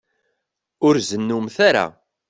Ur zennumt ara.